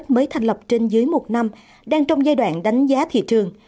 mới thành lập trên dưới một năm đang trong giai đoạn đánh giá thị trường